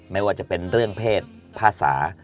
ไม่ว่าจะเป็นเรื่องเพศภาษา